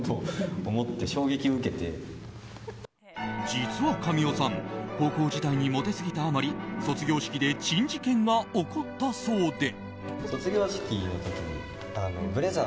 実は、神尾さん高校時代にモテすぎたあまり卒業式で珍事件が起こったそうで。